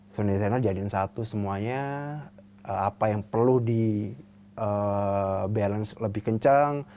sound designer diadakan satu semuanya apa yang perlu di balance lebih kencang